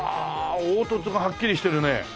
凹凸がはっきりしてるね。